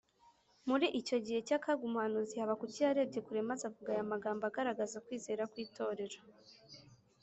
. Muri icyo gihe cy’akaga, umuhanuzi Habakuki yarebye kure, maze avuga aya magambo agaragaza kwizera kw’itorero: